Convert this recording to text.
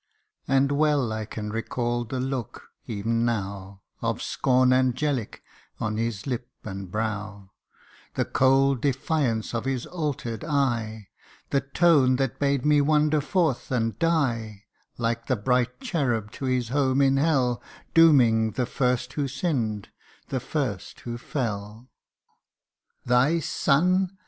And well I can recall the look, ev'n now, Of scorn angelic on his lip and brow ; The cold defiance of his alter'd eye ; The tone that bade me wander forth and die : Like the bright cherub to his home in hell Dooming the first who sinn'd the first who fell. ' Thy son